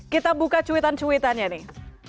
kita buka cuitan cuitannya nih